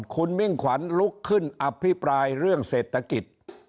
คุณมิ่งขวัญลุกขึ้นอภิปรายเรื่องเศรษฐกิจ